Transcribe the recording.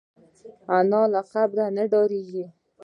انا له قبر نه ډارېږي